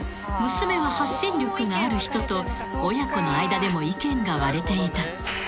娘は発信力がある人と親子の間でも意見が割れていた］